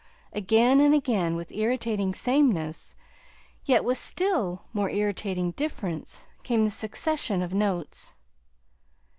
Again and again with irritating sameness, yet with a still more irritating difference, came the succession of notes.